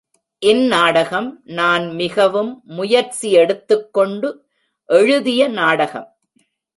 இந்நாடகம் நான் மிகவும் முயற்சி எடுத்துக்கொண்டு எழுதிய நாடகம்.